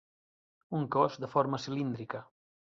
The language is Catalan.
Un cos de forma cilíndrica.